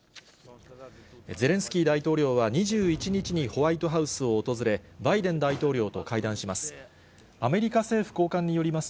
ゼレンスキー大統領は２１日にホワイトハウスを訪れ、バイデン大統領と会談します。